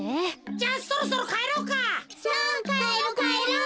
じゃあそろそろかえろうか。